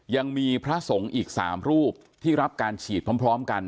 ยังมีพระสงฆ์อีก๓รูปที่รับการฉีดพร้อมกัน